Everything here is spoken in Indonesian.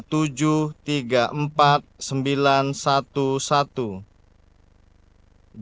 data penggunaan surat suara